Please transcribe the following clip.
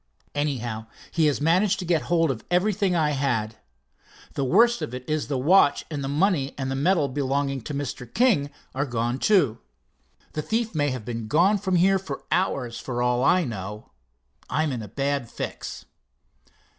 Anyhow, he has managed to get hold of everything I had. The worst of it is the watch and the money and the medal belonging to Mr. King are gone too. The thief may have been gone from here for hours, for all I know. I'm in a bad fix."